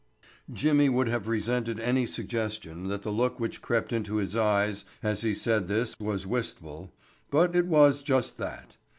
Jimmy would have resented any suggestion that the look which crept into his eyes as he said this was wistful, but it was just that.